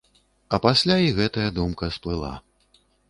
А пасля і гэтая думка сплыла.